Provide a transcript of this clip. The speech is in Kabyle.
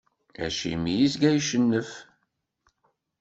Acimi izga icennef?